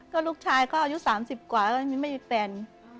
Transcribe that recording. ก็ลูกชายก็อายุสามสิบกว่าไม่มีแฟน